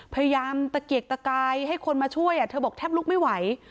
พยายามตะเกียกตะกายให้คนมาช่วยเธอบอกแทบลุกไม่ไหว